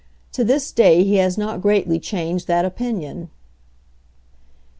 To this day he has not greatly changed that opinion.